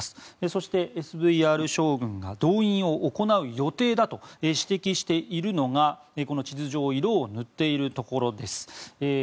そして、ＳＶＲ将軍が動員を行う予定だと指摘しているのがこの地図上色を塗っているところです。